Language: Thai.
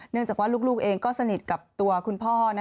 จากว่าลูกเองก็สนิทกับตัวคุณพ่อ